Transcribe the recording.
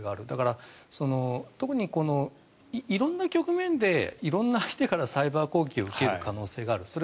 だから、特に色んな局面で色んな相手からサイバー攻撃を受ける可能性がある。